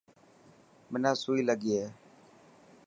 منا سوئي لگي هي.